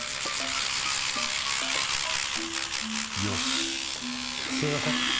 よしすみません。